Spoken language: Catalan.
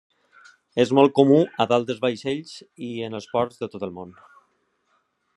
És molt comú a dalt de vaixells i en els ports de tot el món.